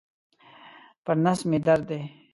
پر نس مي درد دی.